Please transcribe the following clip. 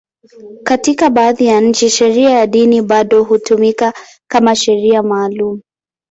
Katika baadhi ya nchi, sheria ya dini bado hutumika kama sheria maalum.